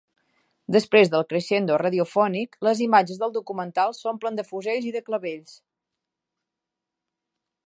Després del crescendo radiofònic, les imatges del documental s'omplen de fusells i de clavells.